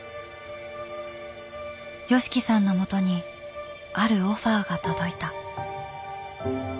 ＹＯＳＨＩＫＩさんのもとにあるオファーが届いた。